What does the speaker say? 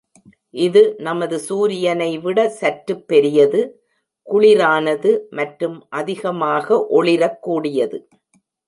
இது நமது சூரியனை விட சற்று பெரியது, குளிரானது மற்றும் அதிகமாக ஒளிரக்கூடியது.